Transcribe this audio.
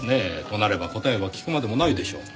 となれば答えは聞くまでもないでしょう。